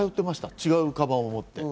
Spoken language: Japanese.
違うかばんを持って。